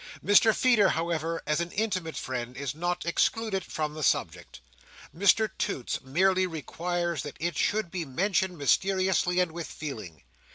Mr Feeder, however, as an intimate friend, is not excluded from the subject. Mr Toots merely requires that it should be mentioned mysteriously, and with feeling.